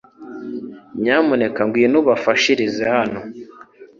Nyamuneka ngwino ubafashirize hano